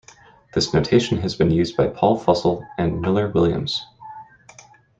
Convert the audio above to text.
This notation has been used by Paul Fussell and Miller Williams.